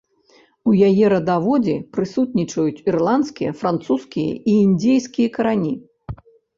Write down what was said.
У яе радаводзе прысутнічаюць ірландскія, французскія і індзейскія карані.